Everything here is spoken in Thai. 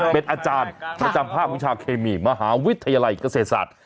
เป็นอาจารย์ประจำภาควิชาเคมีมหาวิทยาลัยเกษตรศาสตร์